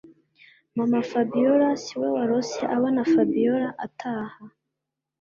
MamaFabiora siwe warose abona Fabiora ataha